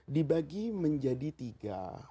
dibagi menjadi tiga